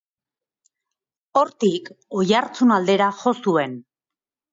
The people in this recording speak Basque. Hortik Oiartzun aldera jo zuen.